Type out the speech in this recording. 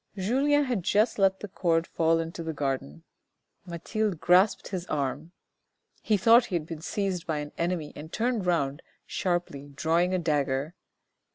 Julien had just let the cord fall into the garden ; Mathilde grasped his arm. He thought he had been seized by an enemy and turned round sharply, drawing a dagger.